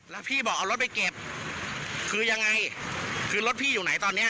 แล้วพี่บอกเอารถไปเก็บคือยังไงคือรถพี่อยู่ไหนตอนเนี้ย